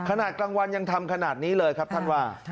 ขนาดกลางวันยังทำขนาดนี้เลยครับท่านว่า